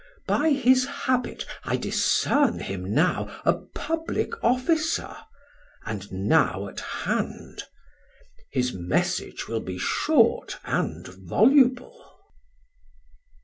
By his habit I discern him now A Public Officer, and now at hand. His message will be short and voluble.